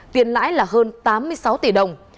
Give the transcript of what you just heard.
tiền lãi là hơn tám mươi sáu tỷ đồng